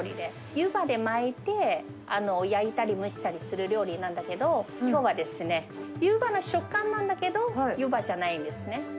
湯葉で巻いて、焼いたり蒸したりする料理なんだけど、きょうは、湯葉の食感なんだけど、湯葉じゃないんですね。